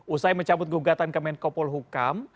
usai mencabut gugatan kemenkopol hukam